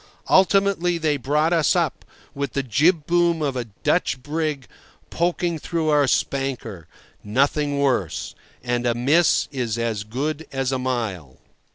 Ultimately they brought us up with the jibboom of a Dutch brig poking through our spanker—nothing worse. And a miss is as good as a mile.